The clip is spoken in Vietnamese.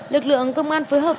lực lượng công an phối hợp